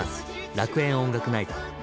楽園音楽ナイト！。